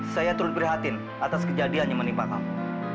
saya turut prihatin atas kejadian yang menimpa kamu